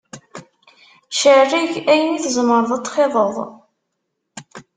Cerreg ayen i tzemreḍ ad t-txiḍeḍ.